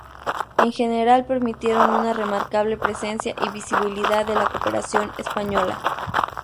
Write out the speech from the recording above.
En general permitieron una remarcable presencia y visibilidad de la Cooperación Española.